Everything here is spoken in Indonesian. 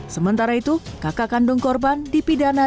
sementara itu kakak kandung korban dipidana